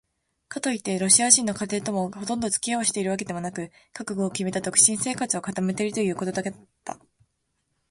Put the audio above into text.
かといってロシア人の家庭ともほとんどつき合いをしているわけでもなく、覚悟をきめた独身生活を固めているということだった。